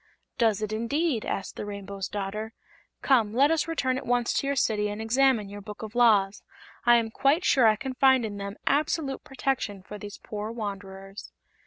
"Does it, indeed?" asked the Rainbow's Daughter. "Come, let us return at once to your City and examine your Book of Laws. I am quite sure I can find in them absolute protection for these poor wanderers."